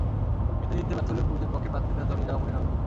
এতে জিততে ব্যর্থ হলে ক্রুজের পক্ষে প্রার্থিতা চালিয়ে যাওয়া কঠিন হবে।